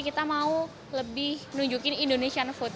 kita mau lebih nunjukin indonesian food